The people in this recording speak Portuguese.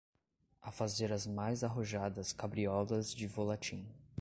a fazer as mais arrojadas cabriolas de volatim